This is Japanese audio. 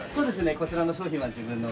こちらの商品は自分の。